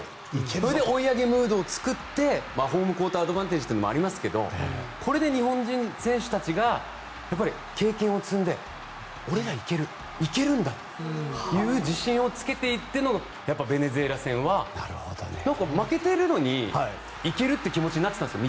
それで追い上げムードを作ってホームアドバンテージというのもありますけどこれで日本人選手たちが経験を積んで俺ら、行ける、行けるんだという自信をつけていってのベネズエラ戦は負けているのに行けるって気持ちになっていたんですよ